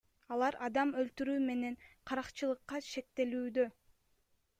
Алар адам өлтүрүү менен каракчылыкка шектелишүүдө.